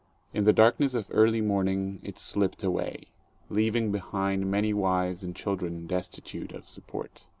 In the darkness of early morning it slipped away, leaving behind many wives and children destitute of support.